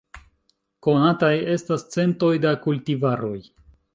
Konataj estas centoj da kultivaroj.